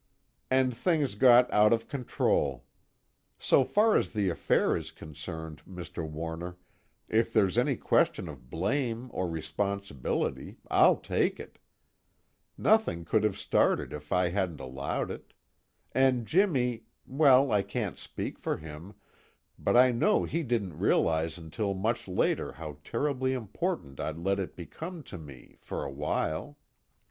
_ "And things got out of control. So far as the affair is concerned, Mr. Warner, if there's any question of blame or responsibility, I'll take it. Nothing could have started if I hadn't allowed it. And Jimmy well, I can't speak for him, but I know he didn't realize until much later how terribly important I'd let it become to me, for a while.